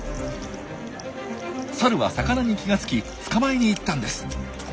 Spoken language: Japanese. サルは魚に気が付き捕まえに行ったんです。